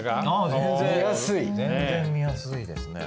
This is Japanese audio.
全然見やすいですね。